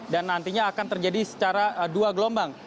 dan nantinya akan terjadi secara dua gelombang